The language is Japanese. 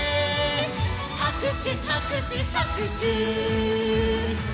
「はくしゅはくしゅはくしゅ」